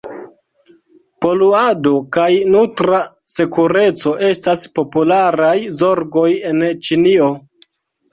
Poluado kaj nutra sekureco estas popularaj zorgoj en Ĉinio.